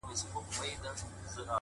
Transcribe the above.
معلوميږي چي موسم رانه خفه دی,